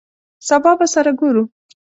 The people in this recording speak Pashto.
سبا به سره ګورو !